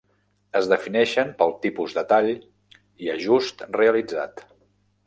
Es defineixen pel tipus de tall i ajust realitzat.